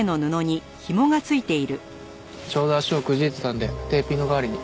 ちょうど足をくじいていたんでテーピング代わりに。